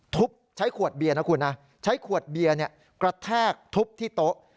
ใช้ขวดเบียร์นะคุณนะใช้ขวดเบียร์กระแทกทุบที่โต๊ะ